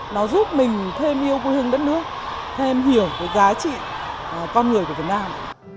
nó giúp mình thêm yêu quê hương đất nước thêm hiểu cái giá trị con người của việt nam